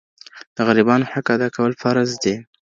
د غریبانو حق ادا کول فرض دي.